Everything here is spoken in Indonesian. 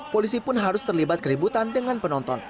polisi pun harus terlibat keributan dengan penonton